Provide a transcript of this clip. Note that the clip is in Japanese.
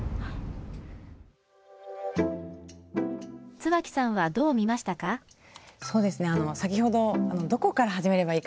津脇さんはどう見ましたか？